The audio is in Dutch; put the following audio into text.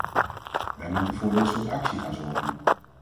Wij moeten voor dit soort actie gaan zorgen.